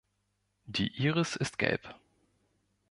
Die Iris ist gelb.